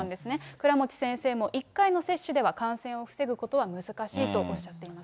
倉持先生も、１回の接種では感染を防ぐことは難しいとおっしゃっています。